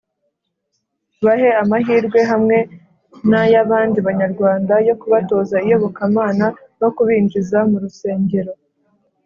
Bahe amahirwe hamwe n’ay’abandi Banyarwanda yo kubatoza iyobokamana no kubinjiza mu rusengero